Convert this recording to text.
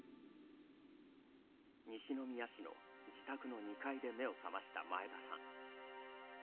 西宮市の自宅の２階で目を覚ました前田さん。